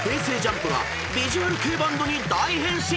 ＪＵＭＰがヴィジュアル系バンドに大変身ＳＰ！］